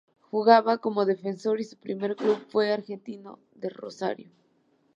Jugaba como defensor y su primer club fue Argentino de Rosario.